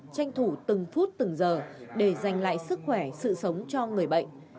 tranh thủ từng phút từng giờ để giành lại sức khỏe sự sống cho người bệnh